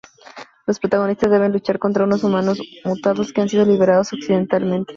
Los protagonistas deben luchar contra unos humanos mutados que han sido liberados accidentalmente.